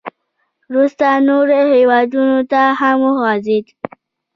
• وروسته نورو هېوادونو ته هم وغځېد.